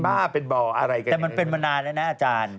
แต่มันเป็นมานานแล้วนะอาจารย์